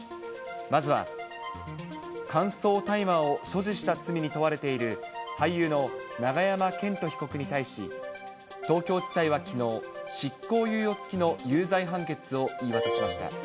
まずは、乾燥大麻を所持した罪に問われている俳優の永山絢斗被告に対し、東京地裁はきのう、執行猶予付きの有罪判決を言い渡しました。